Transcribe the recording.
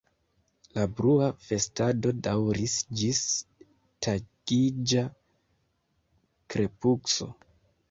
La brua festado daŭris ĝis tagiĝa krepusko.